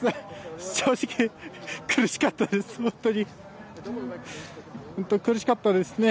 正直、苦しかったです。